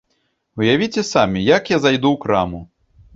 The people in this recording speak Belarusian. Уявіце самі, як я зайду ў краму?